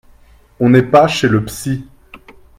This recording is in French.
On n’est pas chez le psy